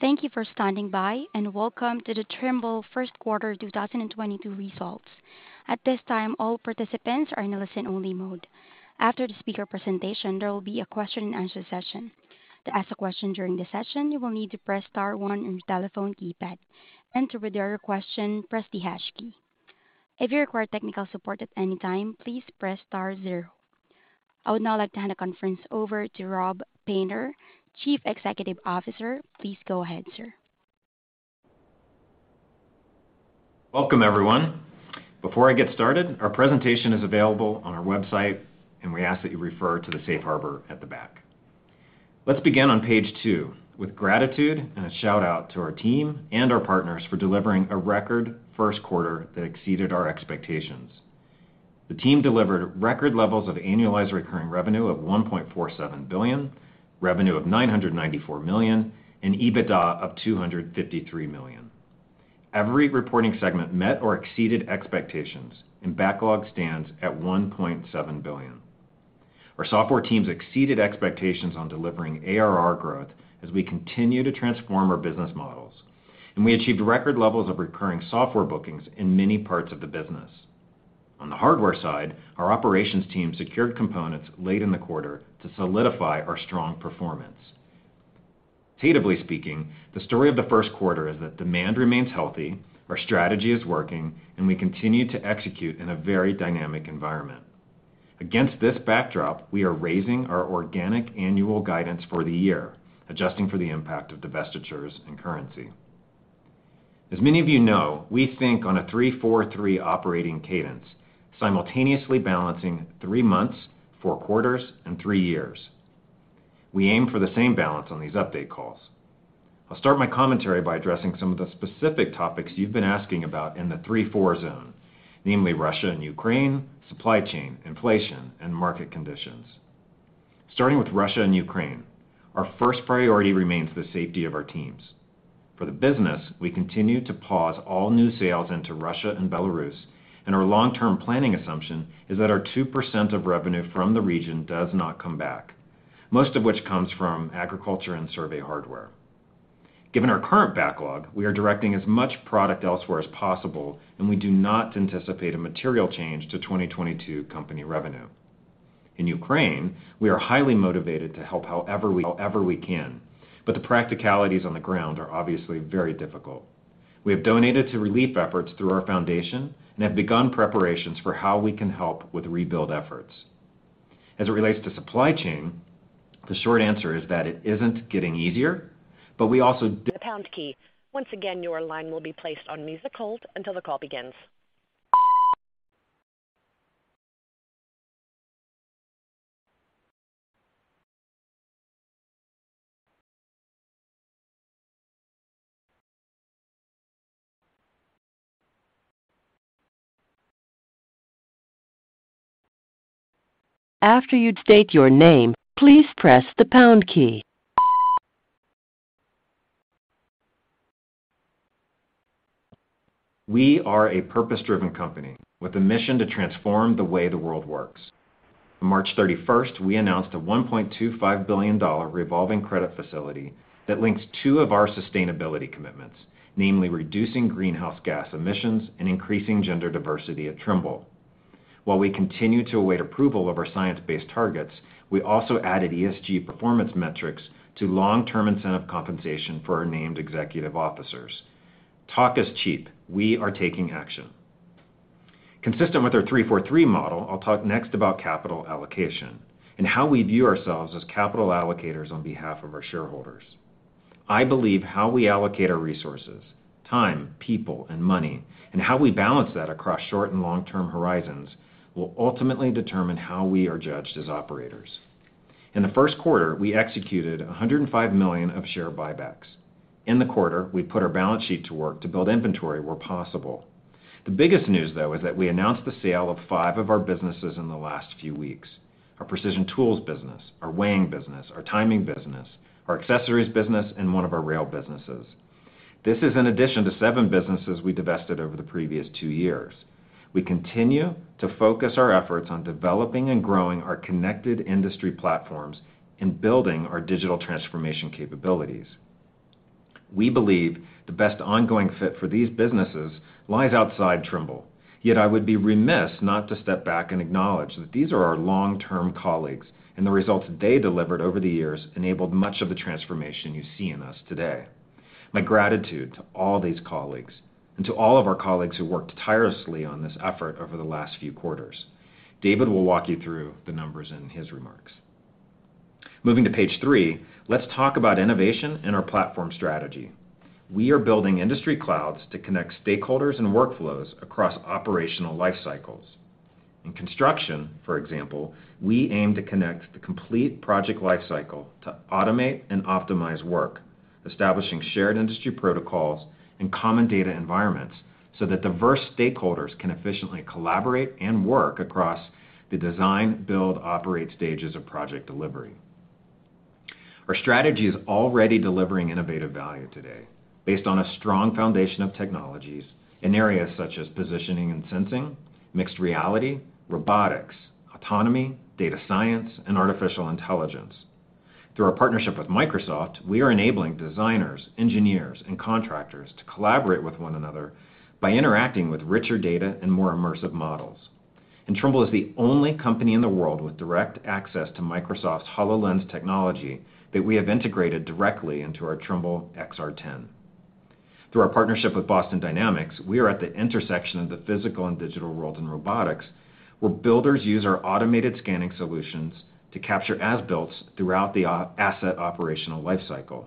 Thank you for standing by, and welcome to the Trimble first quarter 2022 results. At this time, all participants are in a listen-only mode. After the speaker presentation, there will be a question-and-answer session. To ask a question during the session, you will need to press star one on your telephone keypad. To withdraw your question, press the hash key. If you require technical support at any time, please press star zero. I would now like to hand the conference over to Rob Painter, Chief Executive Officer. Please go ahead, sir. Welcome, everyone. Before I get started, our presentation is available on our website, and we ask that you refer to the safe harbor at the back. Let's begin on page two with gratitude and a shout-out to our team and our partners for delivering a record first quarter that exceeded our expectations. The team delivered record levels of annualized recurring revenue of $1.47 billion, revenue of $994 million and EBITDA of $253 million. Every reporting segment met or exceeded expectations, and backlog stands at $1.7 billion. Our software teams exceeded expectations on delivering ARR growth as we continue to transform our business models. We achieved record levels of recurring software bookings in many parts of the business. On the hardware side, our operations team secured components late in the quarter to solidify our strong performance. Qualitatively speaking, the story of the first quarter is that demand remains healthy, our strategy is working, and we continue to execute in a very dynamic environment. Against this backdrop, we are raising our organic annual guidance for the year, adjusting for the impact of divestitures and currency. As many of you know, we think on a 3/4/3 operating cadence, simultaneously balancing three months, four quarters and three years. We aim for the same balance on these update calls. I'll start my commentary by addressing some of the specific topics you've been asking about in the 3/4 zone, namely Russia and Ukraine, supply chain, inflation and market conditions. Starting with Russia and Ukraine, our first priority remains the safety of our teams. For the business, we continue to pause all new sales into Russia and Belarus, and our long-term planning assumption is that our 2% of revenue from the region does not come back, most of which comes from agriculture and survey hardware. Given our current backlog, we are directing as much product elsewhere as possible, and we do not anticipate a material change to 2022 company revenue. In Ukraine, we are highly motivated to help however we can, but the practicalities on the ground are obviously very difficult. We have donated to relief efforts through our foundation and have begun preparations for how we can help with rebuild efforts. As it relates to supply chain, the short answer is that it isn't getting easier, but we also. The pound key. Once again, your line will be placed on musical hold until the call begins. After you state your name, please press the pound key. We are a purpose-driven company with a mission to transform the way the world works. On March thirty-first, we announced a $1.25 billion revolving credit facility that links two of our sustainability commitments, namely reducing greenhouse gas emissions and increasing gender diversity at Trimble. While we continue to await approval of our Science-Based Targets, we also added ESG performance metrics to long-term incentive compensation for our named executive officers. Talk is cheap. We are taking action. Consistent with our three/four/three model, I'll talk next about capital allocation and how we view ourselves as capital allocators on behalf of our shareholders. I believe how we allocate our resources, time, people and money, and how we balance that across short and long-term horizons will ultimately determine how we are judged as operators. In the first quarter, we executed $105 million of share buybacks. In the quarter, we put our balance sheet to work to build inventory where possible. The biggest news, though, is that we announced the sale of five of our businesses in the last few weeks. Our precision tools business, our weighing business, our timing business, our accessories business, and one of our rail businesses. This is in addition to seven businesses we divested over the previous two years. We continue to focus our efforts on developing and growing our connected industry platforms and building our digital transformation capabilities. We believe the best ongoing fit for these businesses lies outside Trimble. Yet I would be remiss not to step back and acknowledge that these are our long-term colleagues, and the results they delivered over the years enabled much of the transformation you see in us today. My gratitude to all these colleagues and to all of our colleagues who worked tirelessly on this effort over the last few quarters. David will walk you through the numbers in his remarks. Moving to page three, let's talk about innovation and our platform strategy. We are building industry clouds to connect stakeholders and workflows across operational life cycles. In construction, for example, we aim to connect the complete project life cycle to automate and optimize work, establishing shared industry protocols and common data environments so that diverse stakeholders can efficiently collaborate and work across the design, build, operate stages of project delivery. Our strategy is already delivering innovative value today based on a strong foundation of technologies in areas such as positioning and sensing, mixed reality, robotics, autonomy, data science, and artificial intelligence. Through our partnership with Microsoft, we are enabling designers, engineers, and contractors to collaborate with one another by interacting with richer data and more immersive models. Trimble is the only company in the world with direct access to Microsoft's HoloLens technology that we have integrated directly into our Trimble XR10. Through our partnership with Boston Dynamics, we are at the intersection of the physical and digital world in robotics, where builders use our automated scanning solutions to capture as-builts throughout the asset operational life cycle.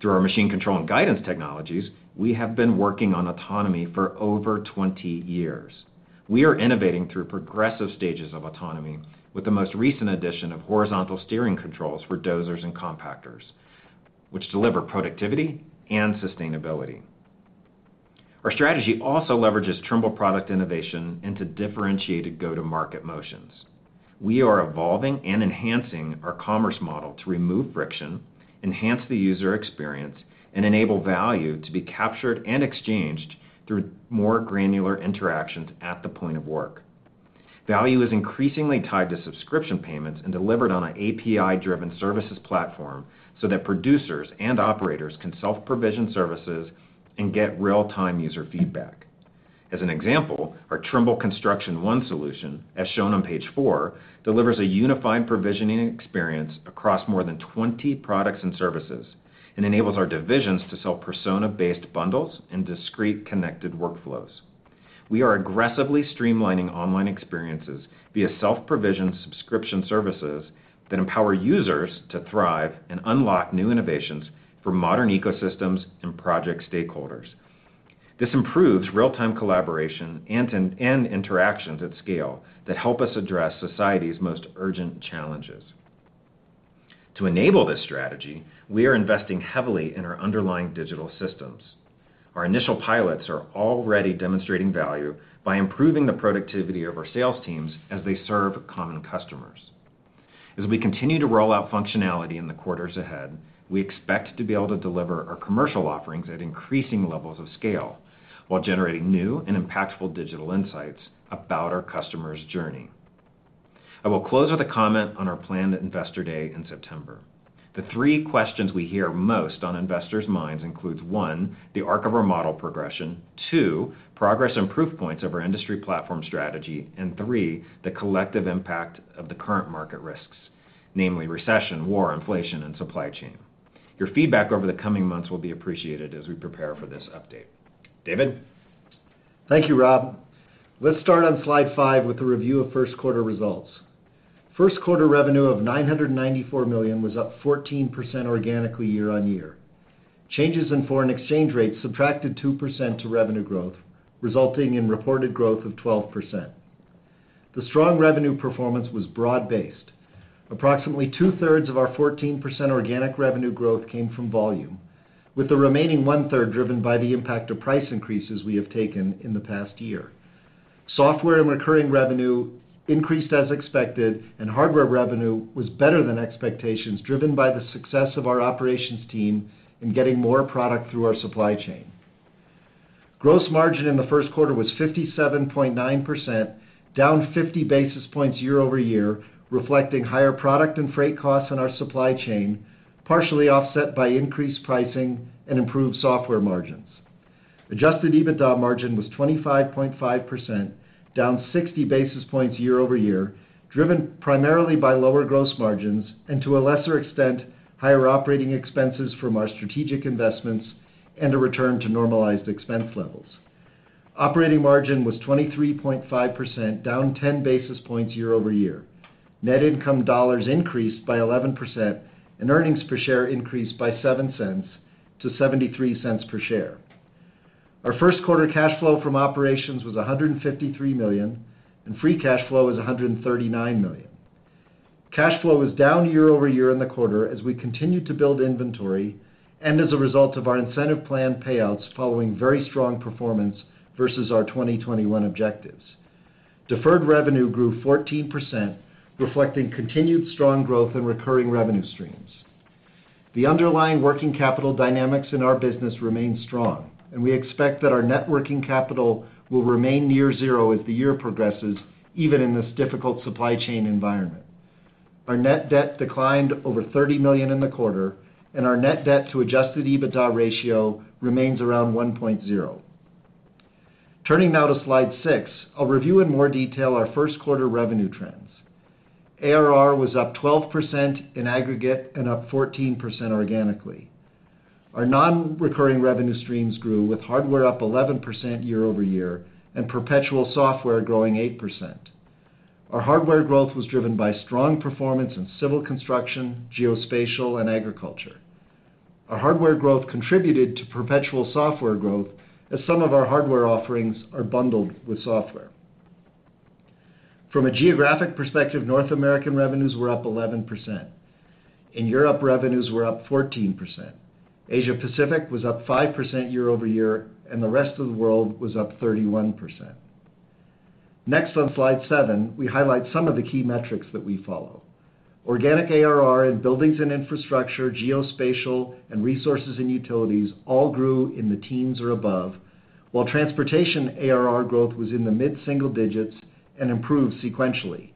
Through our machine control and guidance technologies, we have been working on autonomy for over 20 years. We are innovating through progressive stages of autonomy with the most recent addition of horizontal steering controls for dozers and compactors, which deliver productivity and sustainability. Our strategy also leverages Trimble product innovation into differentiated go-to-market motions. We are evolving and enhancing our commerce model to remove friction, enhance the user experience, and enable value to be captured and exchanged through more granular interactions at the point of work. Value is increasingly tied to subscription payments and delivered on an API-driven services platform so that producers and operators can self-provision services and get real-time user feedback. As an example, our Trimble Construction One solution, as shown on page 4, delivers a unified provisioning experience across more than 20 products and services and enables our divisions to sell persona-based bundles and discrete connected workflows. We are aggressively streamlining online experiences via self-provisioned subscription services that empower users to thrive and unlock new innovations for modern ecosystems and project stakeholders. This improves real-time collaboration and interactions at scale that help us address society's most urgent challenges. To enable this strategy, we are investing heavily in our underlying digital systems. Our initial pilots are already demonstrating value by improving the productivity of our sales teams as they serve common customers. As we continue to roll out functionality in the quarters ahead, we expect to be able to deliver our commercial offerings at increasing levels of scale while generating new and impactful digital insights about our customers' journey. I will close with a comment on our planned Investor Day in September. The three questions we hear most on investors' minds includes, one, the arc of our model progression. Two, progress and proof points of our industry platform strategy. And three, the collective impact of the current market risks, namely recession, war, inflation, and supply chain. Your feedback over the coming months will be appreciated as we prepare for this update. David? Thank you, Rob. Let's start on slide five with a review of first quarter results. First quarter revenue of $994 million was up 14% organically year-on-year. Changes in foreign exchange rates subtracted 2% to revenue growth, resulting in reported growth of 12%. The strong revenue performance was broad-based. Approximately two-thirds of our 14% organic revenue growth came from volume, with the remaining one-third driven by the impact of price increases we have taken in the past year. Software and recurring revenue increased as expected, and hardware revenue was better than expectations, driven by the success of our operations team in getting more product through our supply chain. Gross margin in the first quarter was 57.9%, down 50 basis points year-over-year, reflecting higher product and freight costs in our supply chain, partially offset by increased pricing and improved software margins. Adjusted EBITDA margin was 25.5%, down 60 basis points year-over-year, driven primarily by lower gross margins and, to a lesser extent, higher operating expenses from our strategic investments and a return to normalized expense levels. Operating margin was 23.5%, down 10 basis points year-over-year. Net income dollars increased by 11%, and earnings per share increased by $0.07 to $0.73 per share. Our first quarter cash flow from operations was $153 million, and free cash flow was $139 million. Cash flow was down year-over-year in the quarter as we continued to build inventory and as a result of our incentive plan payouts following very strong performance versus our 2021 objectives. Deferred revenue grew 14%, reflecting continued strong growth in recurring revenue streams. The underlying working capital dynamics in our business remain strong, and we expect that our net working capital will remain near zero as the year progresses, even in this difficult supply chain environment. Our net debt declined over $30 million in the quarter, and our net debt to adjusted EBITDA ratio remains around 1.0. Turning now to slide 6, I'll review in more detail our first quarter revenue trends. ARR was up 12% in aggregate and up 14% organically. Our non-recurring revenue streams grew, with hardware up 11% year-over-year and perpetual software growing 8%. Our hardware growth was driven by strong performance in civil construction, geospatial, and agriculture. Our hardware growth contributed to perpetual software growth as some of our hardware offerings are bundled with software. From a geographic perspective, North American revenues were up 11%. In Europe, revenues were up 14%. Asia-Pacific was up 5% year-over-year, and the rest of the world was up 31%. Next on slide seven, we highlight some of the key metrics that we follow. Organic ARR in Buildings and Infrastructure, Geospatial and Resources and Utilities all grew in the teens or above, while transportation ARR growth was in the mid-single digits and improved sequentially.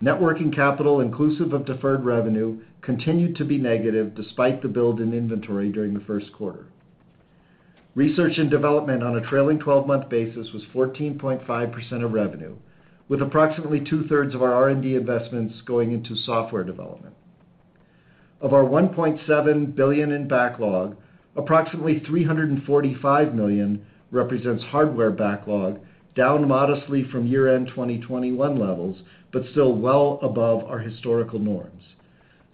Net working capital inclusive of deferred revenue continued to be negative despite the build in inventory during the first quarter. Research and development on a trailing twelve-month basis was 14.5% of revenue, with approximately two-thirds of our R&D investments going into software development. Of our $1.7 billion in backlog, approximately $345 million represents hardware backlog, down modestly from year-end 2021 levels, but still well above our historical norms.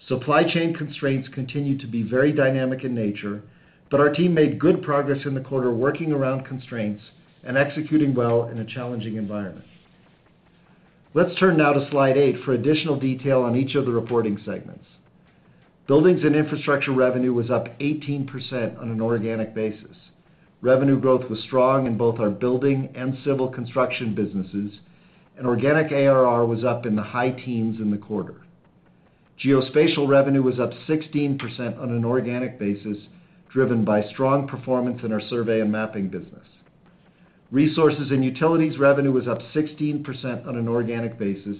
Supply chain constraints continue to be very dynamic in nature, but our team made good progress in the quarter working around constraints and executing well in a challenging environment. Let's turn now to slide eight for additional detail on each of the reporting segments. Buildings and Infrastructure revenue was up 18% on an organic basis. Revenue growth was strong in both our building and civil construction businesses, and organic ARR was up in the high teens in the quarter. Geospatial revenue was up 16% on an organic basis, driven by strong performance in our survey and mapping business. Resources and Utilities revenue was up 16% on an organic basis,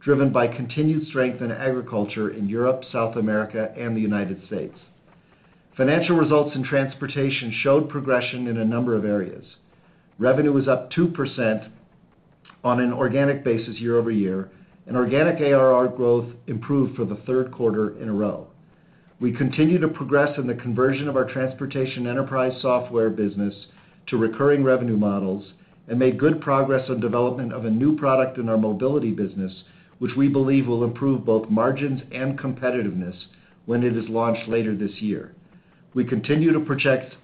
driven by continued strength in agriculture in Europe, South America, and the United States. Financial results in transportation showed progression in a number of areas. Revenue was up 2% on an organic basis year over year, and organic ARR growth improved for the third quarter in a row. We continue to progress in the conversion of our transportation enterprise software business to recurring revenue models and made good progress on development of a new product in our mobility business, which we believe will improve both margins and competitiveness when it is launched later this year. We continue to project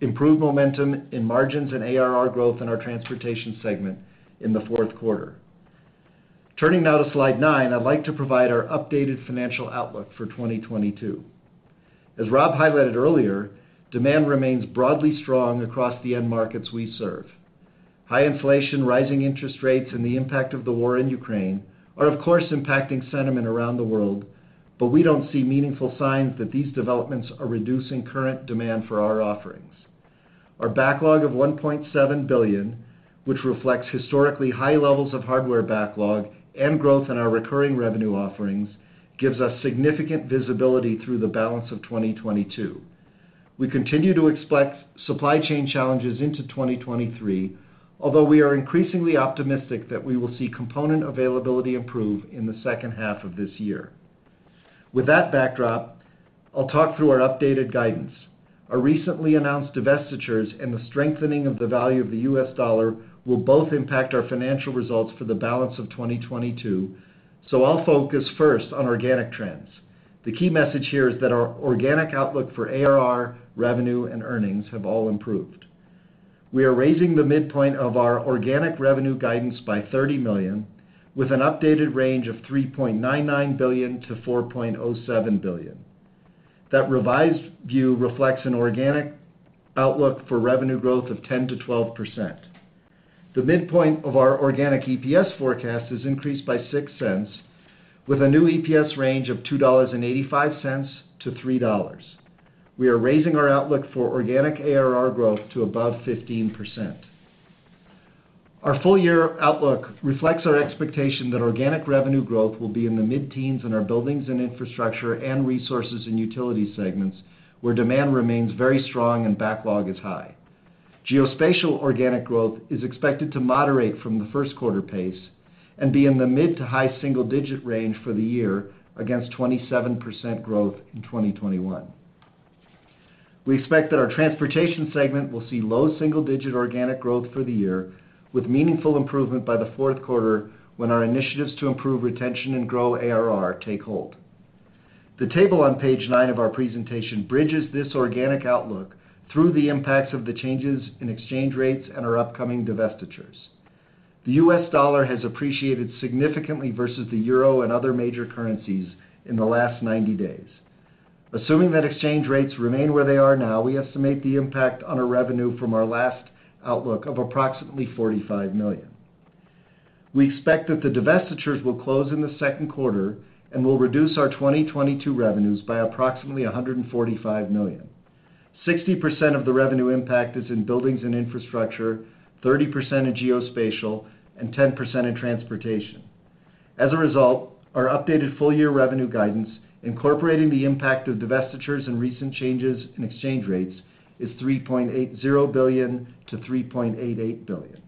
improved momentum in margins and ARR growth in our transportation segment in the fourth quarter. Turning now to slide 9, I'd like to provide our updated financial outlook for 2022. As Rob highlighted earlier, demand remains broadly strong across the end markets we serve. High inflation, rising interest rates, and the impact of the war in Ukraine are of course impacting sentiment around the world, but we don't see meaningful signs that these developments are reducing current demand for our offerings. Our backlog of $1.7 billion, which reflects historically high levels of hardware backlog and growth in our recurring revenue offerings, gives us significant visibility through the balance of 2022. We continue to expect supply chain challenges into 2023, although we are increasingly optimistic that we will see component availability improve in the second half of this year. With that backdrop, I'll talk through our updated guidance. Our recently announced divestitures and the strengthening of the value of the US dollar will both impact our financial results for the balance of 2022, so I'll focus first on organic trends. The key message here is that our organic outlook for ARR, revenue, and earnings have all improved. We are raising the midpoint of our organic revenue guidance by $30 million with an updated range of $3.99 billion-$4.07 billion. That revised view reflects an organic outlook for revenue growth of 10%-12%. The midpoint of our organic EPS forecast is increased by $0.06 with a new EPS range of $2.85-$3. We are raising our outlook for organic ARR growth to above 15%. Our full year outlook reflects our expectation that organic revenue growth will be in the mid-teens in our Buildings and Infrastructure and Resources and Utilities segments where demand remains very strong and backlog is high. Geospatial organic growth is expected to moderate from the first quarter pace and be in the mid to high single digit range for the year against 27% growth in 2021. We expect that our transportation segment will see low single digit organic growth for the year with meaningful improvement by the fourth quarter when our initiatives to improve retention and grow ARR take hold. The table on page 9 of our presentation bridges this organic outlook through the impacts of the changes in exchange rates and our upcoming divestitures. The U.S. dollar has appreciated significantly versus the euro and other major currencies in the last 90 days. Assuming that exchange rates remain where they are now, we estimate the impact on our revenue from our last outlook of approximately $45 million. We expect that the divestitures will close in the second quarter and will reduce our 2022 revenues by approximately $145 million. 60% of the revenue impact is in Buildings and Infrastructure, 30% in Geospatial, and 10% in transportation. As a result, our updated full year revenue guidance incorporating the impact of divestitures and recent changes in exchange rates is $3.80 billion-$3.88 billion.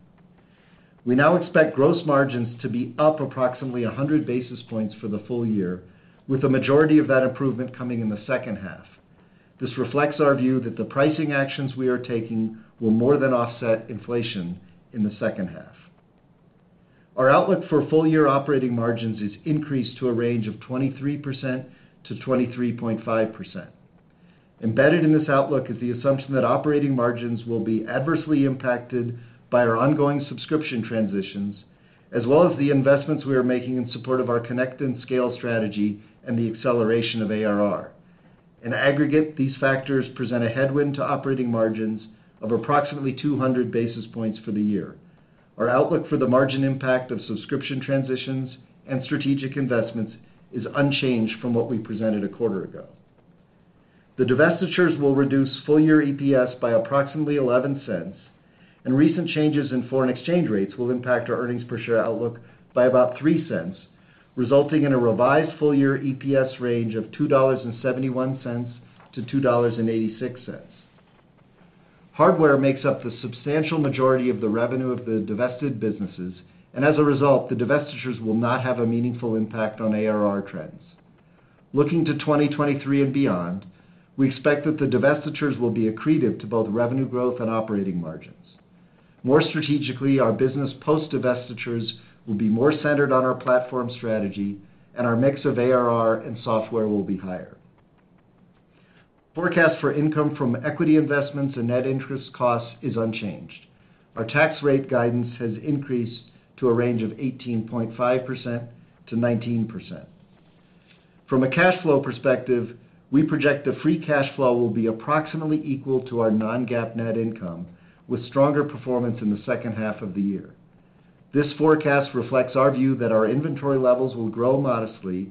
We now expect gross margins to be up approximately 100 basis points for the full year with the majority of that improvement coming in the second half. This reflects our view that the pricing actions we are taking will more than offset inflation in the second half. Our outlook for full year operating margins is increased to a range of 23%-23.5%. Embedded in this outlook is the assumption that operating margins will be adversely impacted by our ongoing subscription transitions as well as the investments we are making in support of our Connect and Scale strategy and the acceleration of ARR. In aggregate, these factors present a headwind to operating margins of approximately 200 basis points for the year. Our outlook for the margin impact of subscription transitions and strategic investments is unchanged from what we presented a quarter ago. The divestitures will reduce full-year EPS by approximately $0.11, and recent changes in foreign exchange rates will impact our earnings per share outlook by about $0.03, resulting in a revised full-year EPS range of $2.71-$2.86. Hardware makes up the substantial majority of the revenue of the divested businesses, and as a result, the divestitures will not have a meaningful impact on ARR trends. Looking to 2023 and beyond, we expect that the divestitures will be accretive to both revenue growth and operating margins. More strategically, our business post divestitures will be more centered on our platform strategy, and our mix of ARR and software will be higher. Forecast for income from equity investments and net interest costs is unchanged. Our tax rate guidance has increased to a range of 18.5%-19%. From a cash flow perspective, we project the free cash flow will be approximately equal to our non-GAAP net income, with stronger performance in the second half of the year. This forecast reflects our view that our inventory levels will grow modestly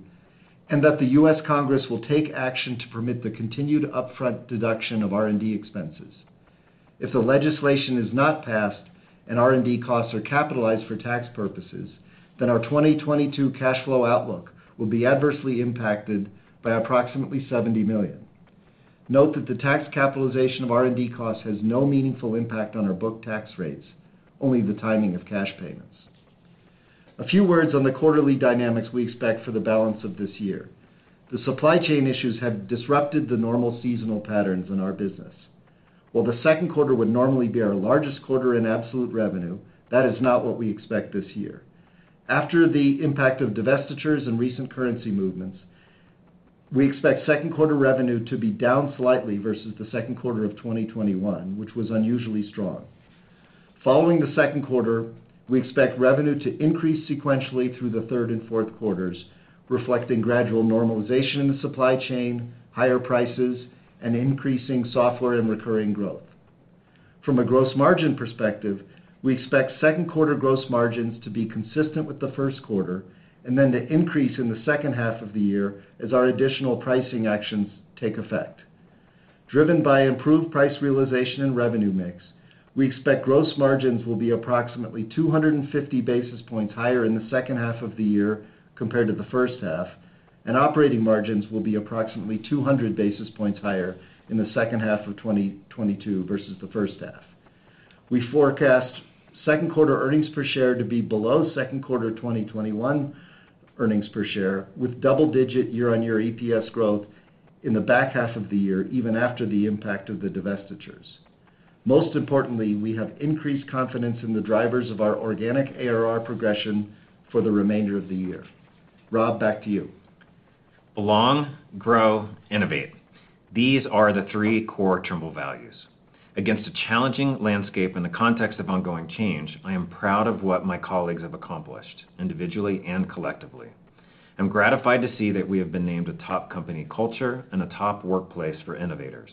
and that the U.S. Congress will take action to permit the continued upfront deduction of R&D expenses. If the legislation is not passed and R&D costs are capitalized for tax purposes, then our 2022 cash flow outlook will be adversely impacted by approximately $70 million. Note that the tax capitalization of R&D costs has no meaningful impact on our book tax rates, only the timing of cash payments. A few words on the quarterly dynamics we expect for the balance of this year. The supply chain issues have disrupted the normal seasonal patterns in our business. While the second quarter would normally be our largest quarter in absolute revenue, that is not what we expect this year. After the impact of divestitures and recent currency movements, we expect second quarter revenue to be down slightly versus the second quarter of 2021, which was unusually strong. Following the second quarter, we expect revenue to increase sequentially through the third and fourth quarters, reflecting gradual normalization in the supply chain, higher prices, and increasing software and recurring growth. From a gross margin perspective, we expect second quarter gross margins to be consistent with the first quarter and then to increase in the second half of the year as our additional pricing actions take effect. Driven by improved price realization and revenue mix, we expect gross margins will be approximately 250 basis points higher in the second half of the year compared to the first half, and operating margins will be approximately 200 basis points higher in the second half of 2022 versus the first half. We forecast second quarter earnings per share to be below second quarter 2021 earnings per share, with double-digit year-on-year EPS growth in the back half of the year, even after the impact of the divestitures. Most importantly, we have increased confidence in the drivers of our organic ARR progression for the remainder of the year. Rob, back to you. Belong, grow, innovate. These are the three core Trimble values. Against a challenging landscape in the context of ongoing change, I am proud of what my colleagues have accomplished, individually and collectively. I'm gratified to see that we have been named a top company culture and a top workplace for innovators.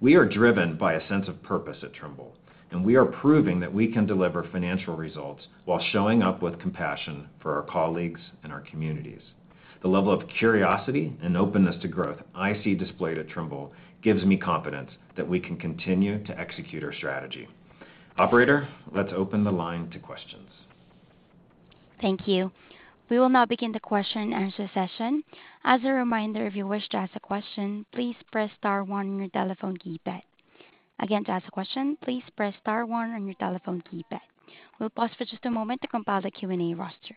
We are driven by a sense of purpose at Trimble, and we are proving that we can deliver financial results while showing up with compassion for our colleagues and our communities. The level of curiosity and openness to growth I see displayed at Trimble gives me confidence that we can continue to execute our strategy. Operator, let's open the line to questions. Thank you. We will now begin the question and answer session. As a reminder, if you wish to ask a question, please press star one on your telephone keypad. Again, to ask a question, please press star one on your telephone keypad. We'll pause for just a moment to compile the Q&A roster.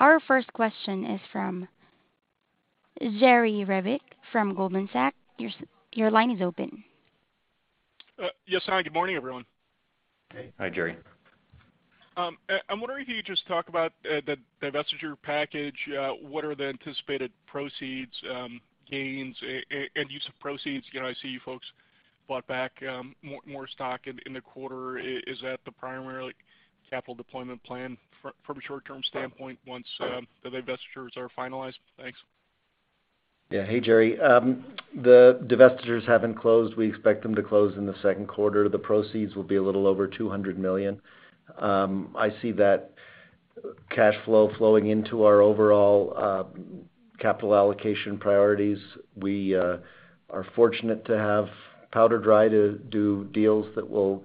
Our first question is from Jerry Revich from Goldman Sachs. Your line is open. Yes. Hi, good morning, everyone. Hey. Hi, Jerry. I'm wondering if you could just talk about the divestiture package, what are the anticipated proceeds, gains, and use of proceeds. You know, I see you folks bought back more stock in the quarter. Is that the primary capital deployment plan from a short-term standpoint once the divestitures are finalized? Thanks. Yeah. Hey, Jerry. The divestitures haven't closed. We expect them to close in the second quarter. The proceeds will be a little over $200 million. I see that cash flow flowing into our overall capital allocation priorities. We are fortunate to have powder dry to do deals that will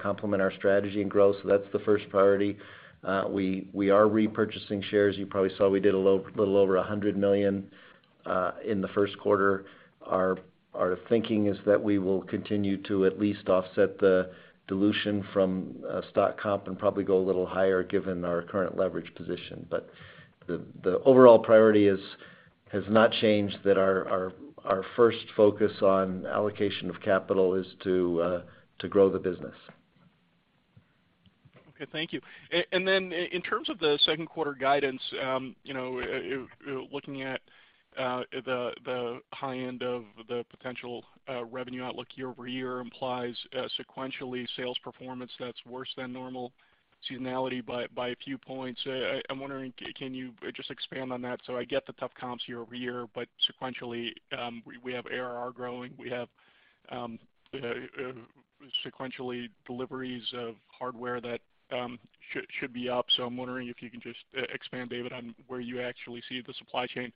complement our strategy and growth, so that's the first priority. We are repurchasing shares. You probably saw we did a little over $100 million in the first quarter. Our thinking is that we will continue to at least offset the dilution from stock comp and probably go a little higher given our current leverage position. But the overall priority has not changed, that our first focus on allocation of capital is to grow the business. Okay. Thank you. In terms of the second quarter guidance, looking at the high end of the potential revenue outlook year-over-year implies sequentially sales performance that's worse than normal seasonality by a few points. I'm wondering, can you just expand on that? I get the tough comps year-over-year, but sequentially, we have ARR growing. We have sequentially deliveries of hardware that should be up. I'm wondering if you can just expand, David, on where you actually see the supply chain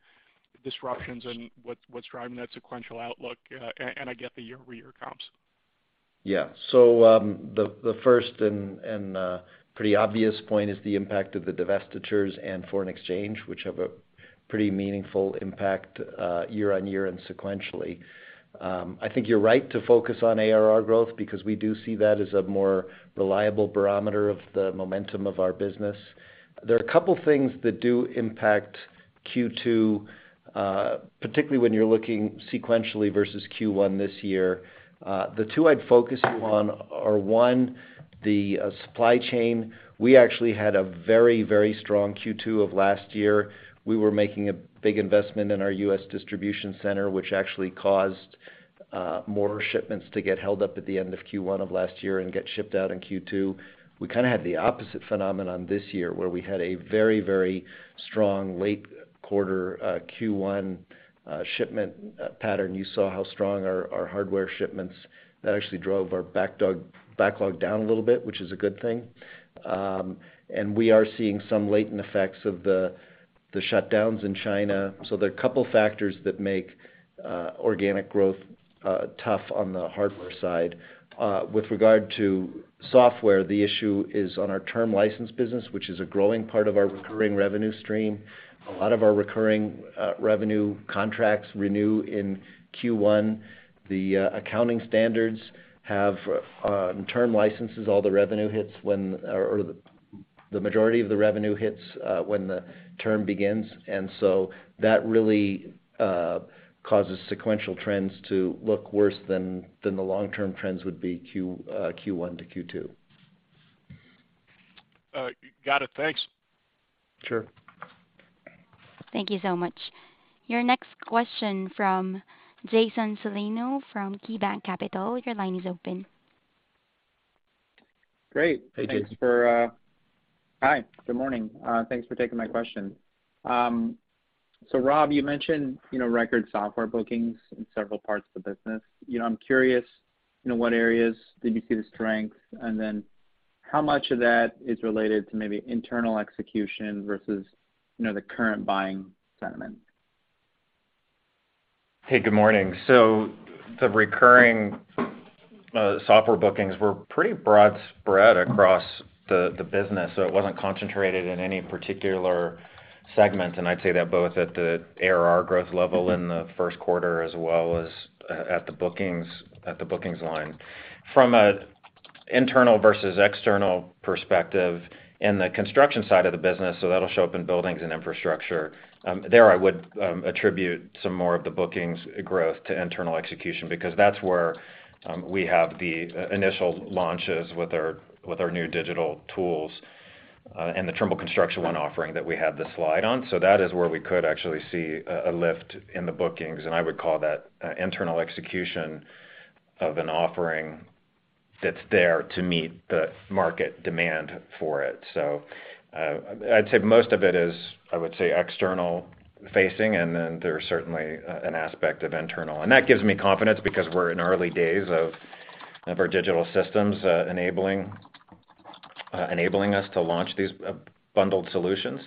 disruptions and what's driving that sequential outlook. I get the year-over-year comps. The first and pretty obvious point is the impact of the divestitures and foreign exchange, which have a pretty meaningful impact year-on-year and sequentially. I think you're right to focus on ARR growth because we do see that as a more reliable barometer of the momentum of our business. There are a couple things that do impact Q2, particularly when you're looking sequentially versus Q1 this year. The two I'd focus you on are, one, the supply chain. We actually had a very, very strong Q2 of last year. We were making a big investment in our U.S. distribution center, which actually caused more shipments to get held up at the end of Q1 of last year and get shipped out in Q2. We kinda had the opposite phenomenon this year, where we had a very, very strong late quarter Q1 shipment pattern. You saw how strong our hardware shipments. That actually drove our backlog down a little bit, which is a good thing. We are seeing some latent effects of the shutdowns in China. There are a couple factors that make organic growth tough on the hardware side. With regard to software, the issue is on our term license business, which is a growing part of our recurring revenue stream. A lot of our recurring revenue contracts renew in Q1. The accounting standards have term licenses, all the revenue hits when or the majority of the revenue hits, when the term begins. That really causes sequential trends to look worse than the long-term trends would be Q1 to Q2. Got it. Thanks. Sure. Thank you so much. Your next question from Jason Celino from KeyBanc Capital Markets, your line is open. Great. Hey, Jason. Hi, good morning. Thanks for taking my question. So Rob, you mentioned, you know, record software bookings in several parts of the business. You know, I'm curious, you know, what areas did you see the strength, and then how much of that is related to maybe internal execution versus, you know, the current buying sentiment? Hey, good morning. The recurring software bookings were pretty broadly spread across the business. It wasn't concentrated in any particular segment, and I'd say that both at the ARR growth level in the first quarter as well as at the bookings line. From an internal versus external perspective, in the construction side of the business, that'll show up in Buildings and Infrastructure. There I would attribute some more of the bookings growth to internal execution because that's where we have the initial launches with our new digital tools and the Trimble Construction One offering that we had the slide on. That is where we could actually see a lift in the bookings, and I would call that internal execution of an offering that's there to meet the market demand for it. I'd say most of it is, I would say, external facing, and then there's certainly an aspect of internal. That gives me confidence because we're in early days of our digital systems enabling us to launch these bundled solutions.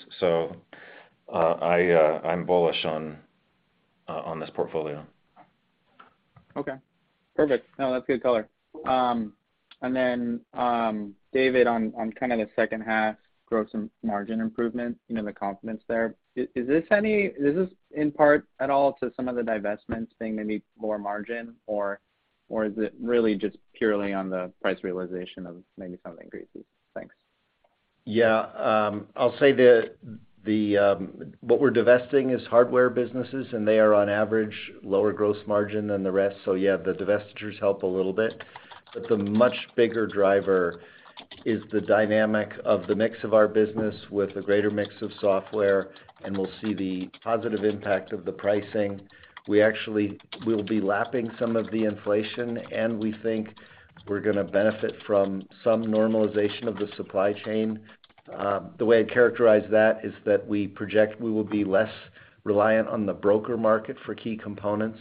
I'm bullish on this portfolio. Okay, perfect. No, that's good color. David, on kind of the second half growth and margin improvements, you know, the confidence there, is this in part at all to some of the divestments being maybe more margin, or is it really just purely on the price realization of maybe some increases? Thanks. Yeah. I'll say what we're divesting is hardware businesses, and they are on average lower gross margin than the rest. Yeah, the divestitures help a little bit, but the much bigger driver is the dynamic of the mix of our business with the greater mix of software, and we'll see the positive impact of the pricing. We actually will be lapping some of the inflation, and we think we're gonna benefit from some normalization of the supply chain. The way I'd characterize that is that we project we will be less reliant on the broker market for key components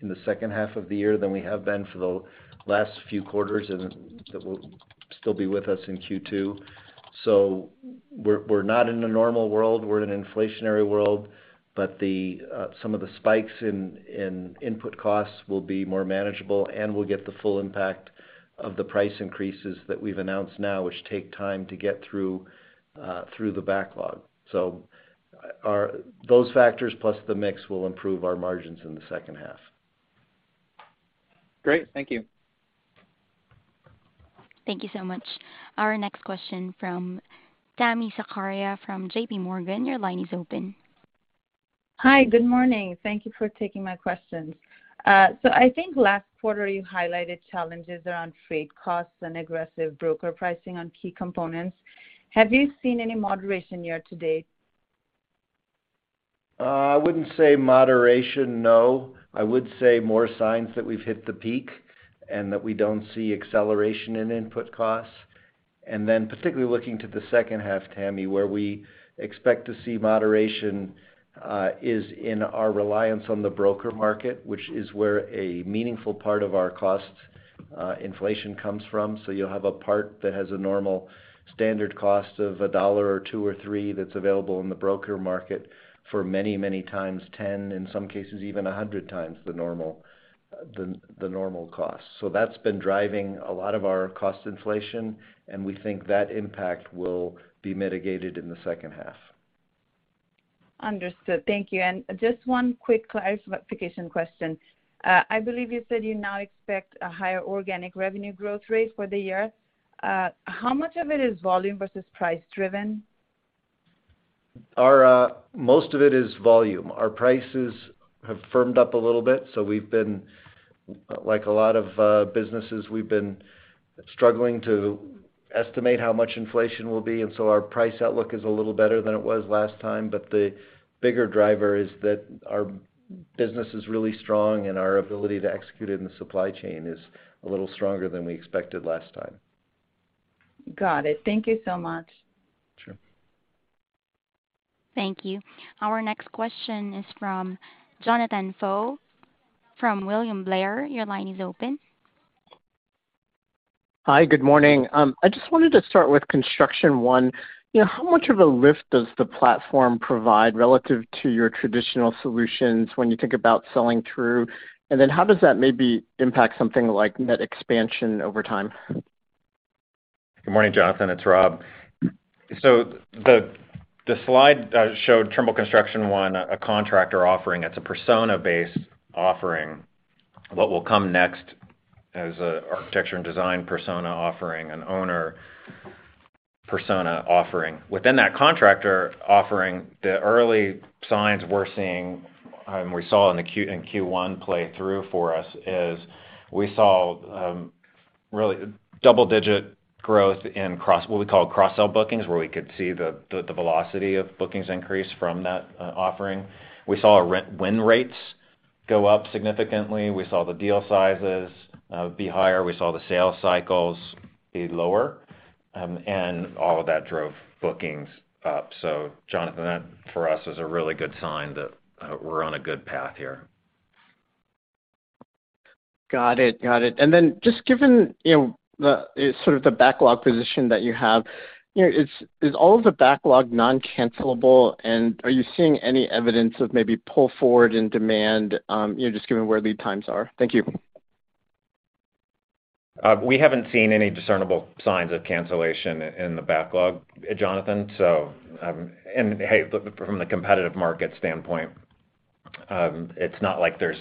in the second half of the year than we have been for the last few quarters, and that will still be with us in Q2. We're not in a normal world. We're in an inflationary world, but some of the spikes in input costs will be more manageable, and we'll get the full impact of the price increases that we've announced now, which take time to get through the backlog. Those factors plus the mix will improve our margins in the second half. Great. Thank you. Thank you so much. Our next question from Tami Zakaria from J.P. Morgan, your line is open. Hi, good morning. Thank you for taking my questions. I think last quarter, you highlighted challenges around freight costs and aggressive broker pricing on key components. Have you seen any moderation year-to-date? I wouldn't say moderation, no. I would say more signs that we've hit the peak and that we don't see acceleration in input costs. Particularly looking to the second half, Tami, where we expect to see moderation, is in our reliance on the broker market, which is where a meaningful part of our cost inflation comes from. You'll have a part that has a normal standard cost of $1 or $2 or $3 that's available in the broker market for many, many times 10, in some cases, even 100 times the normal cost. That's been driving a lot of our cost inflation, and we think that impact will be mitigated in the second half. Understood. Thank you. Just one quick clarification question. I believe you said you now expect a higher organic revenue growth rate for the year. How much of it is volume versus price driven? Most of it is volume. Our prices have firmed up a little bit, so we've been, like a lot of businesses, struggling to estimate how much inflation will be, and so our price outlook is a little better than it was last time. The bigger driver is that our business is really strong, and our ability to execute it in the supply chain is a little stronger than we expected last time. Got it. Thank you so much. Sure. Thank you. Our next question is from Jonathan Ho from William Blair. Your line is open. Hi, good morning. I just wanted to start with Construction One. You know, how much of a lift does the platform provide relative to your traditional solutions when you think about selling through? How does that maybe impact something like net expansion over time? Good morning, Jonathan. It's Rob. The slide showed Trimble Construction One, a contractor offering. It's a persona-based offering. What will come next is an architecture and design persona offering, an owner persona offering. Within that contractor offering, the early signs we're seeing, and we saw in Q1 play through for us, is we saw really double-digit growth in cross-sell bookings, where we could see the velocity of bookings increase from that offering. We saw our win rates go up significantly. We saw the deal sizes be higher. We saw the sales cycles be lower, and all of that drove bookings up. Jonathan, that for us is a really good sign that we're on a good path here. Got it. Just given, you know, the sort of the backlog position that you have, you know, is all of the backlog non-cancelable? Are you seeing any evidence of maybe pull forward in demand, you know, just given where lead times are? Thank you. We haven't seen any discernible signs of cancellation in the backlog, Jonathan Ho. Hey, from the competitive market standpoint, it's not like there's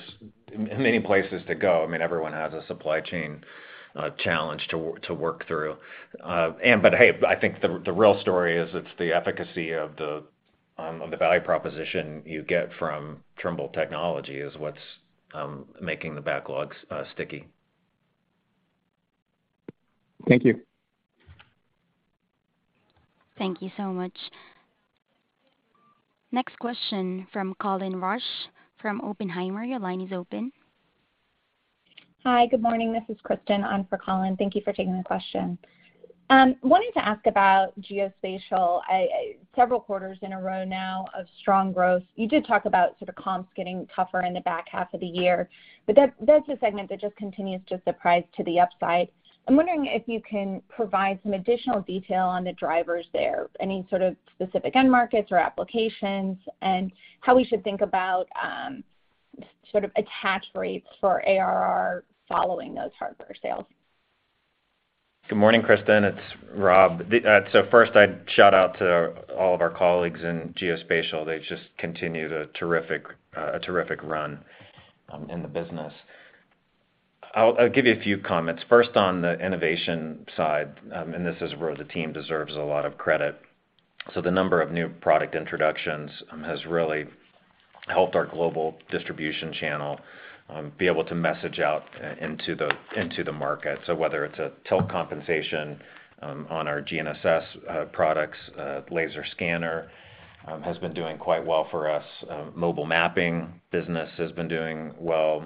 many places to go. I mean, everyone has a supply chain challenge to work through. Hey, I think the real story is it's the efficacy of the value proposition you get from Trimble technology is what's making the backlogs sticky. Thank you. Thank you so much. Next question from Colin Rusch from Oppenheimer. Your line is open. Hi, good morning. This is Kristen on for Colin. Thank you for taking the question. Wanted to ask about Geospatial. Several quarters in a row now of strong growth. You did talk about sort of comps getting tougher in the back half of the year, but that's a segment that just continues to surprise to the upside. I'm wondering if you can provide some additional detail on the drivers there, any sort of specific end markets or applications, and how we should think about sort of attach rates for ARR following those hardware sales. Good morning, Kristen. It's Rob. First I'd shout out to all of our colleagues in Geospatial. They just continue the terrific run in the business. I'll give you a few comments. First, on the innovation side, and this is where the team deserves a lot of credit. The number of new product introductions has really helped our global distribution channel be able to message out into the market. Whether it's a tilt compensation on our GNSS products, laser scanner has been doing quite well for us. Mobile mapping business has been doing well,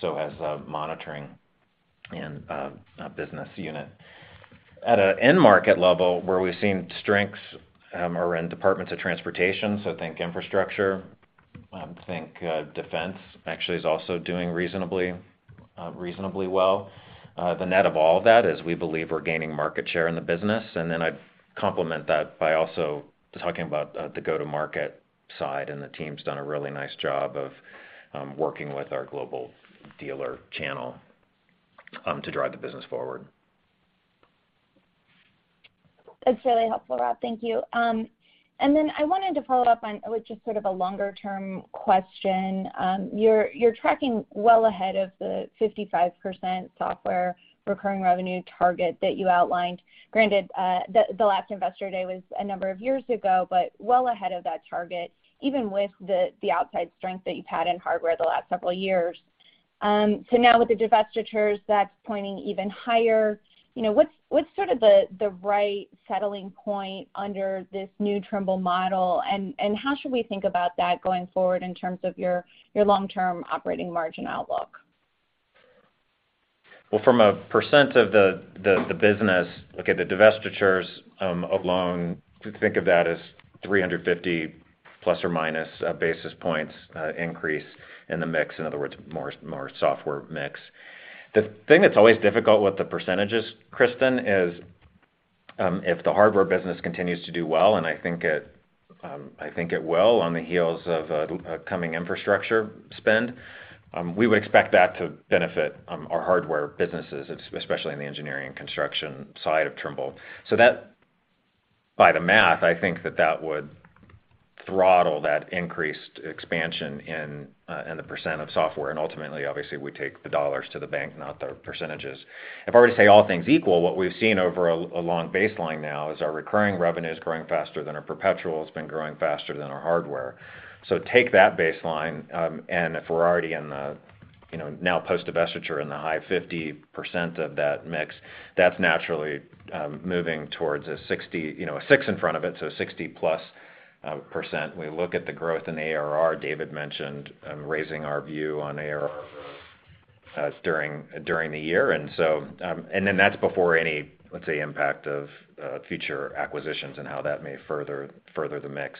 so has monitoring and business unit. At an end market level, where we've seen strengths, are in departments of transportation, so think infrastructure, think defense actually is also doing reasonably well. The net of all that is we believe we're gaining market share in the business. Then I'd complement that by also talking about the go-to-market side, and the team's done a really nice job of working with our global dealer channel to drive the business forward. That's really helpful, Rob. Thank you. I wanted to follow up on what's just sort of a longer term question. You're tracking well ahead of the 55% software recurring revenue target that you outlined. Granted, the last Investor Day was a number of years ago, but well ahead of that target, even with the outside strength that you've had in hardware the last several years. Now with the divestitures that's pointing even higher, you know, what's sort of the right settling point under this new Trimble model? And how should we think about that going forward in terms of your long-term operating margin outlook? Well, from a percent of the business, look at the divestitures alone to think of that as 350 plus or minus basis points increase in the mix. In other words, more software mix. The thing that's always difficult with the percentages, Kristen, is if the hardware business continues to do well, and I think it will on the heels of upcoming infrastructure spend, we would expect that to benefit our hardware businesses, especially in the engineering and construction side of Trimble. That by the math, I think that would throttle that increased expansion in the percent of software. Ultimately, obviously, we take the dollars to the bank, not the percentages. If I were to say all things equal, what we've seen over a long baseline now is our recurring revenue is growing faster than our perpetual. It's been growing faster than our hardware. Take that baseline, and if we're already in the, you know, now post-divestiture in the high 50% of that mix, that's naturally moving towards a 60, you know, a 6 in front of it, so 60+%. We look at the growth in ARR, David mentioned raising our view on ARR during the year. And then that's before any, let's say, impact of future acquisitions and how that may further the mix.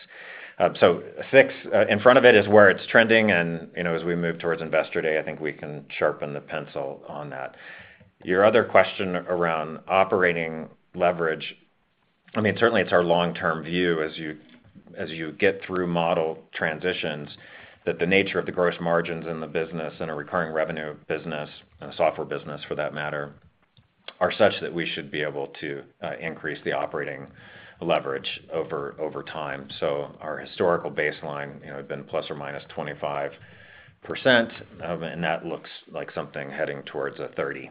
60 in front of it is where it's trending, and, you know, as we move towards Investor Day, I think we can sharpen the pencil on that. Your other question around operating leverage. I mean, certainly it's our long-term view as you get through model transitions, that the nature of the gross margins in the business and a recurring revenue business and a software business for that matter, are such that we should be able to increase the operating leverage over time. Our historical baseline, you know, had been plus or minus 25%, and that looks like something heading towards a 30%.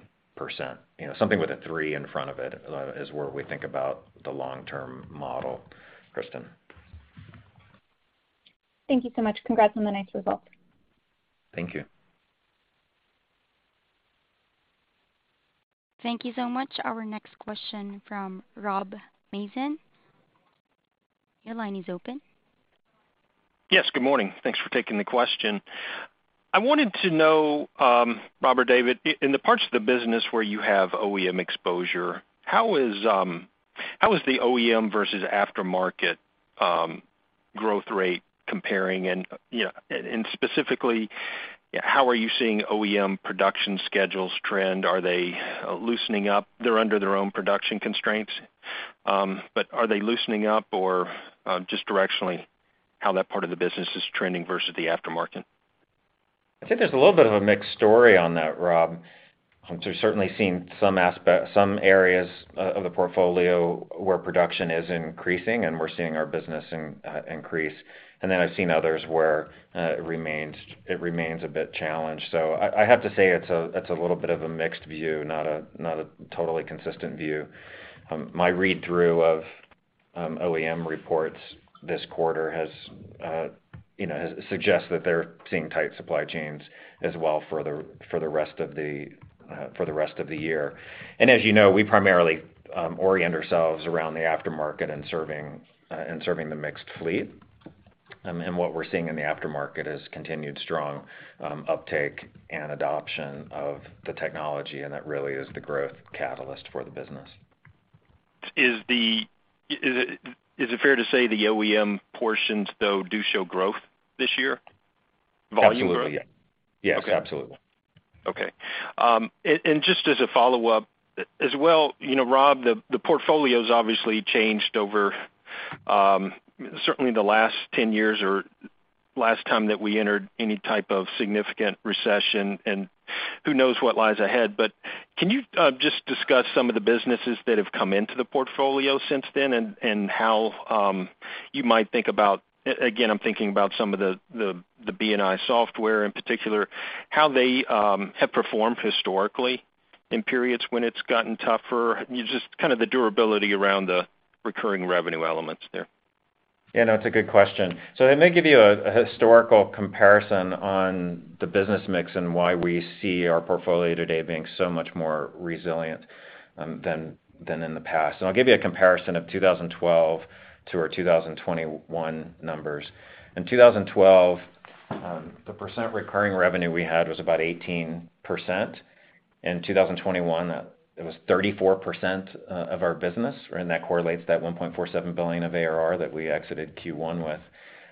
You know, something with a three in front of it is where we think about the long-term model, Kristen. Thank you so much. Congrats on the nice results. Thank you. Thank you so much. Our next question from Rob Mason. Your line is open. Yes, good morning. Thanks for taking the question. I wanted to know, Rob or David, in the parts of the business where you have OEM exposure, how is the OEM versus aftermarket growth rate comparing? You know, specifically, how are you seeing OEM production schedules trend? Are they loosening up? They're under their own production constraints, but are they loosening up or just directionally how that part of the business is trending versus the aftermarket? I think there's a little bit of a mixed story on that, Rob. We're certainly seeing some areas of the portfolio where production is increasing, and we're seeing our business increase. I've seen others where it remains a bit challenged. I have to say it's a little bit of a mixed view, not a totally consistent view. My read-through of OEM reports this quarter, you know, suggests that they're seeing tight supply chains as well for the rest of the year. As you know, we primarily orient ourselves around the aftermarket and serving the mixed fleet. What we're seeing in the aftermarket is continued strong uptake and adoption of the technology, and that really is the growth catalyst for the business. Is it fair to say the OEM portions, though, do show growth this year? Volume or- Absolutely, yeah. Okay. Yes, absolutely. Okay. Just as a follow-up as well, you know, Rob, the portfolio's obviously changed over certainly the last 10 years or last time that we entered any type of significant recession, and who knows what lies ahead. Can you just discuss some of the businesses that have come into the portfolio since then and how you might think about again, I'm thinking about some of the B&I software in particular, how they have performed historically in periods when it's gotten tougher. Just kind of the durability around the recurring revenue elements there. Yeah, no, it's a good question. Let me give you a historical comparison on the business mix and why we see our portfolio today being so much more resilient than in the past. I'll give you a comparison of 2012 to our 2021 numbers. In 2012, the percent recurring revenue we had was about 18%. In 2021, it was 34% of our business, and that correlates that $1.47 billion of ARR that we exited Q1 with.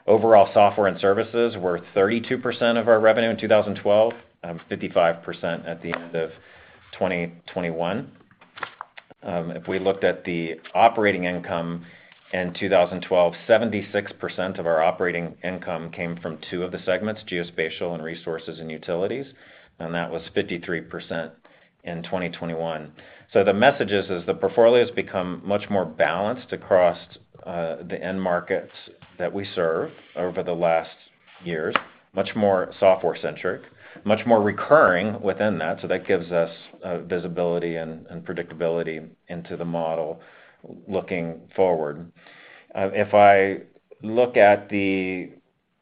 Overall software and services were 32% of our revenue in 2012, 55% at the end of 2021. If we looked at the operating income in 2012, 76% of our operating income came from two of the segments, Geospatial and Resources and Utilities, and that was 53% in 2021. The message is the portfolio's become much more balanced across the end markets that we serve over the last years, much more software-centric, much more recurring within that, so that gives us visibility and predictability into the model looking forward. If I look at the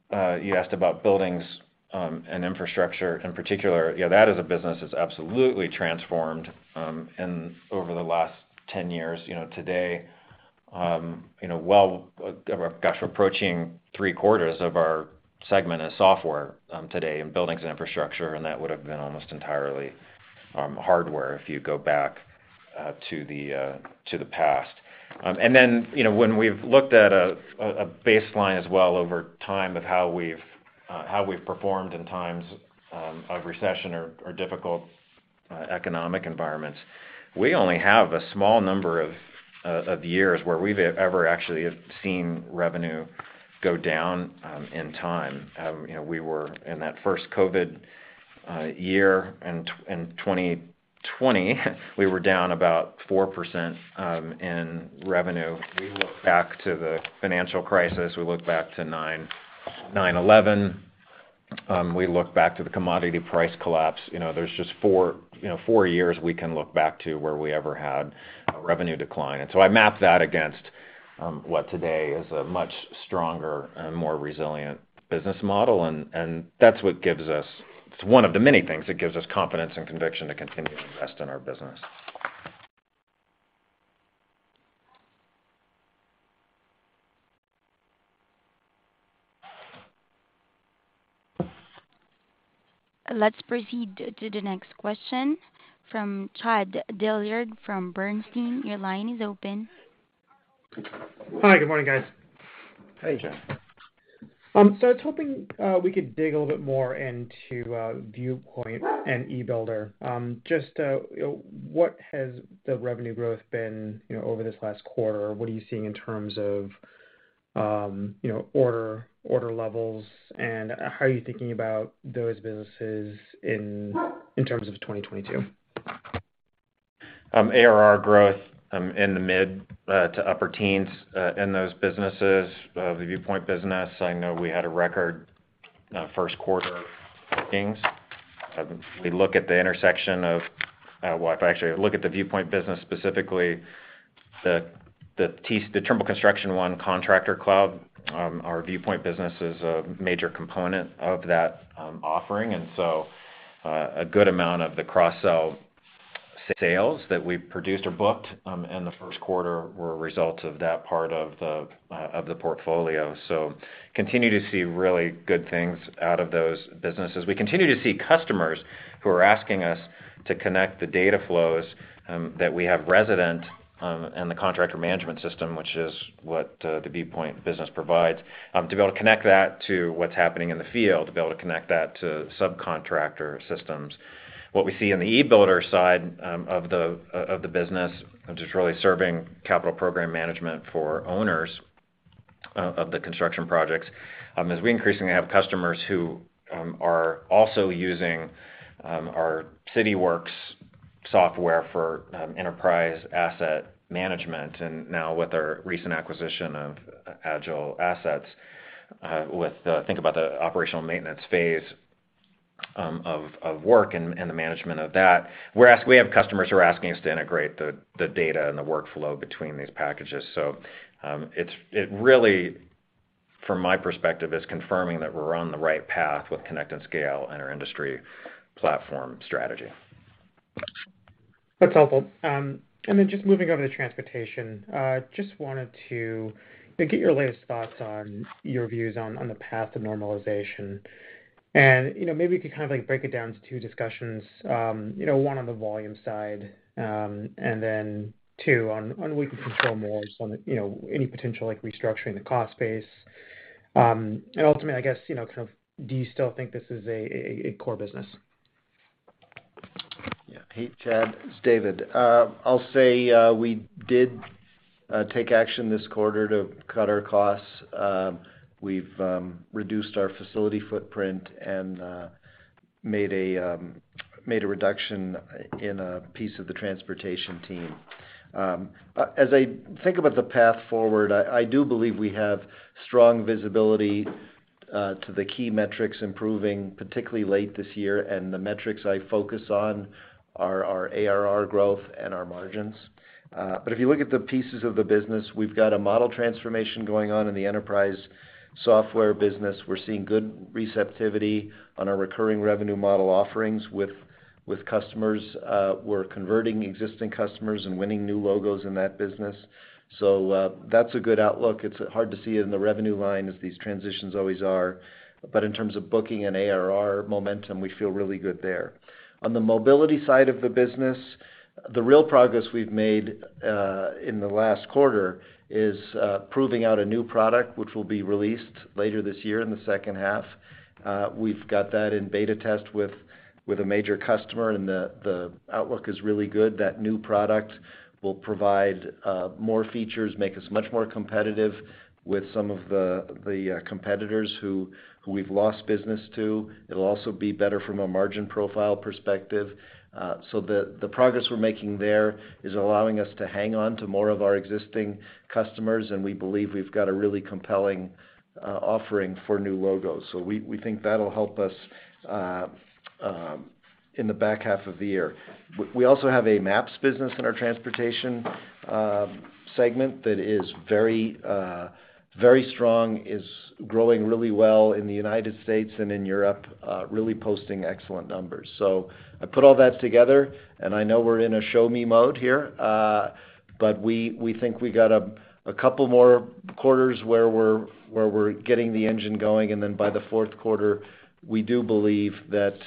one you asked about, Buildings and Infrastructure, in particular. Yeah, that as a business has absolutely transformed over the last 10 years. You know, today, you know, well, gosh, we're approaching three-quarters of our segment as software today in Buildings and Infrastructure, and that would've been almost entirely hardware if you go back to the past. You know, when we've looked at a baseline as well over time of how we've performed in times of recession or difficult economic environments, we only have a small number of years where we've ever actually have seen revenue go down in time. You know, we were in that first COVID year in 2020, we were down about 4% in revenue. We look back to the financial crisis, we look back to 9/11, we look back to the commodity price collapse. You know, there's just four years we can look back to where we ever had a revenue decline. I map that against what today is a much stronger and more resilient business model, and that's what gives us. It's one of the many things that gives us confidence and conviction to continue to invest in our business. Let's proceed to the next question from Chad Dillard from Bernstein. Your line is open. Hi, good morning, guys. Hey, Chad. I was hoping we could dig a little bit more into Viewpoint and e-Builder. Just, you know, what has the revenue growth been, you know, over this last quarter? What are you seeing in terms of, you know, order levels, and how are you thinking about those businesses in terms of 2022? ARR growth in the mid- to upper teens% in those businesses. The Viewpoint business, I know we had a record first-quarter bookings. If we look at the intersection of, well, if I actually look at the Viewpoint business specifically, the Trimble Construction One Contractor Club, our Viewpoint business is a major component of that offering. A good amount of the cross-sell sales that we produced or booked in the first quarter were a result of that part of the portfolio. Continue to see really good things out of those businesses. We continue to see customers who are asking us to connect the data flows that we have resident in the Contractor Management System, which is what the Viewpoint business provides, to be able to connect that to what's happening in the field, to be able to connect that to subcontractor systems. What we see on the e-Builder side of the business, which is really serving capital program management for owners of the construction projects, is we increasingly have customers who are also using our Cityworks software for enterprise asset management. Now with our recent acquisition of AgileAssets, think about the operational maintenance phase of work and the management of that, we have customers who are asking us to integrate the data and the workflow between these packages. It really, from my perspective, is confirming that we're on the right path with Connect and Scale in our industry platform strategy. That's helpful. Just moving on to transportation. Just wanted to, I think, get your latest thoughts on, your views on, the path to normalization. You know, maybe you could kind of like break it down into two discussions, you know, one on the volume side, and then two, on what we can control more on the, you know, any potential like restructuring the cost base. Ultimately, I guess, you know, kind of do you still think this is a core business? Yeah. Hey, Chad Dillard, it's David Barnes. I'll say, we did take action this quarter to cut our costs. We've reduced our facility footprint and made a reduction in a piece of the transportation team. As I think about the path forward, I do believe we have strong visibility to the key metrics improving particularly late this year, and the metrics I focus on are our ARR growth and our margins. But if you look at the pieces of the business, we've got a model transformation going on in the enterprise software business. We're seeing good receptivity on our recurring revenue model offerings with customers. We're converting existing customers and winning new logos in that business. That's a good outlook. It's hard to see it in the revenue line as these transitions always are. In terms of booking an ARR momentum, we feel really good there. On the mobility side of the business, the real progress we've made in the last quarter is proving out a new product, which will be released later this year in the second half. We've got that in beta test with a major customer, and the outlook is really good. That new product will provide more features, make us much more competitive with some of the competitors who we've lost business to. It'll also be better from a margin profile perspective. The progress we're making there is allowing us to hang on to more of our existing customers, and we believe we've got a really compelling offering for new logos. We think that'll help us in the back half of the year. We also have a maps business in our transportation segment that is very strong, is growing really well in the United States and in Europe, really posting excellent numbers. I put all that together, and I know we're in a show me mode here. We think we got a couple more quarters where we're getting the engine going, and then by the fourth quarter, we do believe that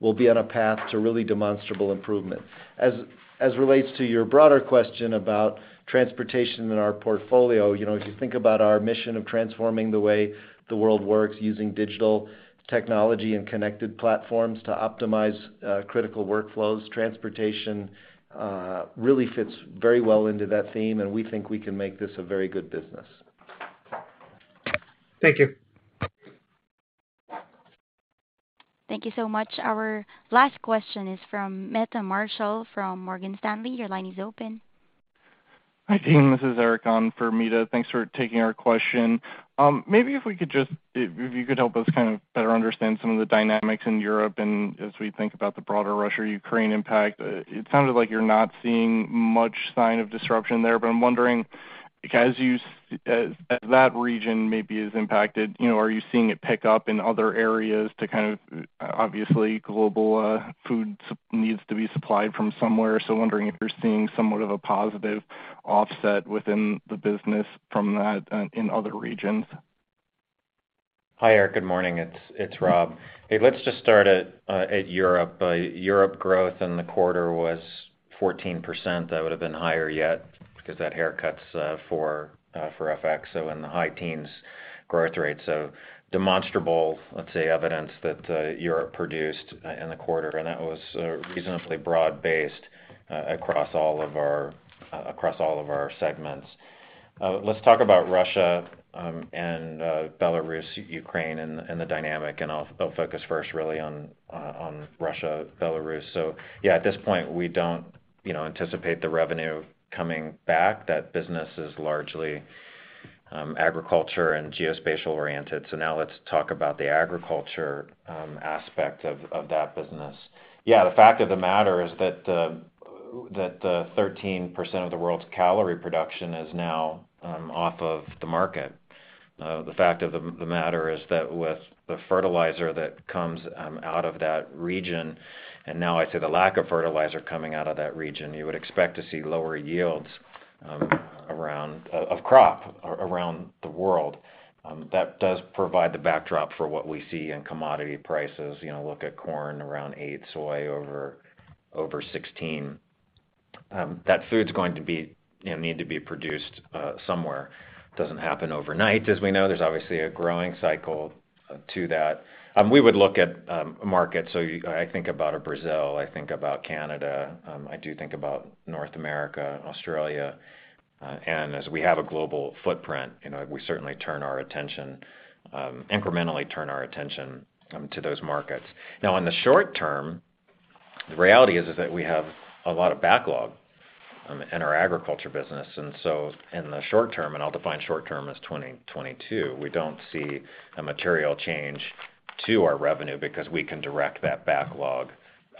we'll be on a path to really demonstrable improvement. As relates to your broader question about transportation in our portfolio, you know, if you think about our mission of transforming the way the world works using digital technology and connected platforms to optimize critical workflows, transportation really fits very well into that theme, and we think we can make this a very good business. Thank you. Thank you so much. Our last question is from Meta Marshall from Morgan Stanley. Your line is open. Hi, team. This is Eric on for Meta. Thanks for taking our question. Maybe if you could help us kind of better understand some of the dynamics in Europe and as we think about the broader Russia-Ukraine impact. It sounded like you're not seeing much sign of disruption there, but I'm wondering, as that region maybe is impacted, you know, are you seeing it pick up in other areas to kind of, obviously, global food needs to be supplied from somewhere. Wondering if you're seeing somewhat of a positive offset within the business from that, in other regions. Hi, Eric. Good morning. It's Rob. Hey, let's just start at Europe. Europe growth in the quarter was 14%. That would have been higher yet because that haircut for FX, so in the high teens growth rate. Demonstrable, let's say, evidence that Europe produced in the quarter, and that was reasonably broad-based across all of our segments. Let's talk about Russia and Belarus, Ukraine, and the dynamic, and I'll focus first really on Russia, Belarus. Yeah, at this point, we don't you know anticipate the revenue coming back. That business is largely agriculture and Geospatial-oriented. Now let's talk about the agriculture aspect of that business. Yeah, the fact of the matter is that the 13% of the world's calorie production is now off of the market. The fact of the matter is that with the fertilizer that comes out of that region, and now I'd say the lack of fertilizer coming out of that region, you would expect to see lower yields around the world. That does provide the backdrop for what we see in commodity prices. You know, look at corn around $8, soy over $16. That food's going to be, you know, need to be produced somewhere. Doesn't happen overnight, as we know. There's obviously a growing cycle to that. We would look at markets. I think about Brazil, I think about Canada. I do think about North America, Australia, and as we have a global footprint, you know, we certainly incrementally turn our attention to those markets. Now, in the short term, the reality is that we have a lot of backlog in our agriculture business. In the short term, and I'll define short term as 2022, we don't see a material change to our revenue because we can direct that backlog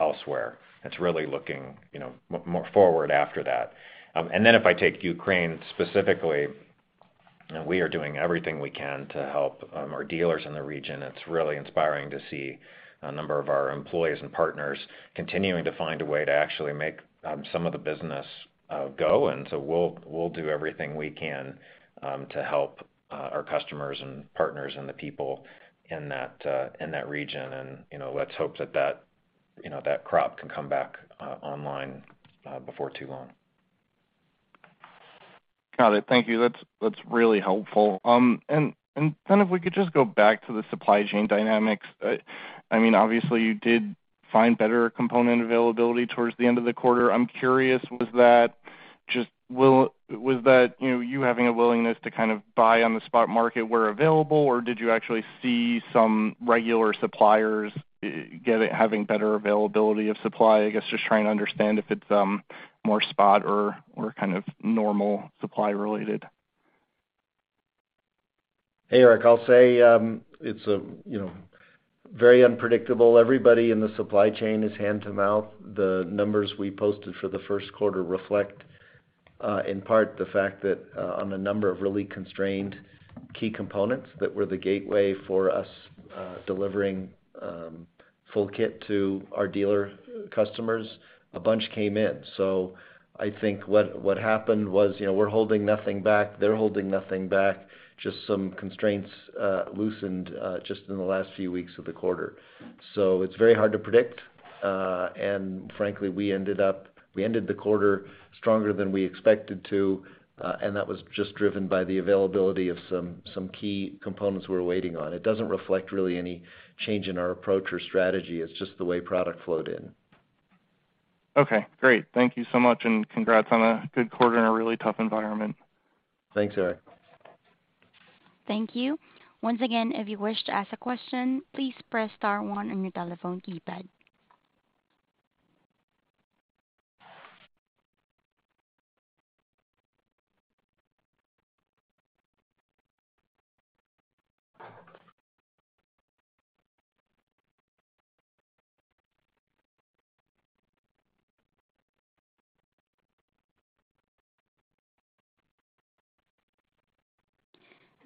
elsewhere. It's really looking, you know, more forward after that. If I take Ukraine specifically, we are doing everything we can to help our dealers in the region. It's really inspiring to see a number of our employees and partners continuing to find a way to actually make some of the business go. We'll do everything we can to help our customers and partners and the people in that region. You know, let's hope that crop can come back online before too long. Got it. Thank you. That's really helpful. If we could just go back to the supply chain dynamics. I mean, obviously you did find better component availability towards the end of the quarter. I'm curious, was that, you know, you having a willingness to kind of buy on the spot market where available, or did you actually see some regular suppliers get it, having better availability of supply? I guess, just trying to understand if it's more spot or kind of normal supply related. Hey, Eric, I'll say, it's, you know, very unpredictable. Everybody in the supply chain is hand to mouth. The numbers we posted for the first quarter reflect in part the fact that on a number of really constrained key components that were the gateway for us delivering full kit to our dealer customers, a bunch came in. I think what happened was, you know, we're holding nothing back, they're holding nothing back, just some constraints loosened just in the last few weeks of the quarter. It's very hard to predict. Frankly, we ended the quarter stronger than we expected to, and that was just driven by the availability of some key components we're waiting on. It doesn't reflect really any change in our approach or strategy. It's just the way product flowed in. Okay, great. Thank you so much, and congrats on a good quarter in a really tough environment. Thanks, Eric. Thank you. Once again, if you wish to ask a question, please press star one on your telephone keypad.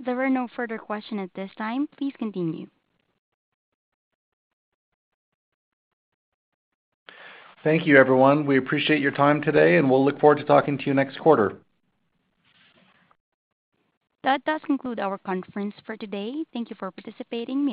There are no further questions at this time. Please continue. Thank you, everyone. We appreciate your time today, and we'll look forward to talking to you next quarter. That does conclude our conference for today. Thank you for participating.